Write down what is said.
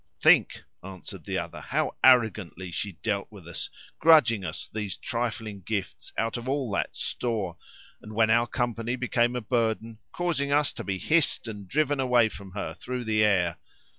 "Think," answered the other, "how arrogantly she dealt with us, grudging us these trifling gifts out of all that store, and when our company became a burden, causing us to be hissed and driven away from her through the air!